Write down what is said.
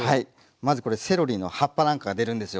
まずこれセロリの葉っぱなんかが出るんですよ